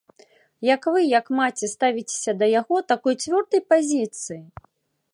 Як вы, як маці, ставіцеся да яго такой цвёрдай пазіцыі?